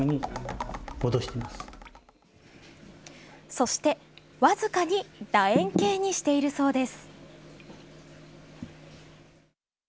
そして僅かにだ円形にしているそうです。